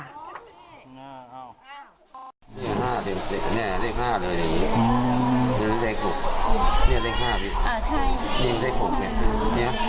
ห้าสิบเจ็ดเนี้ยเลขห้าเลยอย่างงี้อ่า